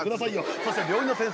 そして病院の先生